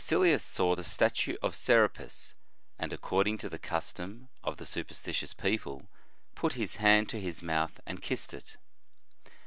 109 Hear Minutius Felix: " Cecilius saw the statue of Serapis, and, according to the cus tom of the superstitious people, put his hand to his mouth and kissed it."